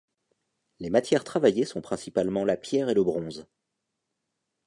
Les matières travaillées sont principalement la pierre et le bronze.